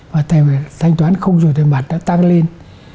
và thanh toán không dùng tiền mặt tăng lên